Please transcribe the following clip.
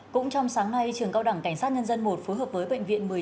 cũng trong sáng nay trường cao đẳng cảnh sát nhân dân một phối hợp với bệnh viện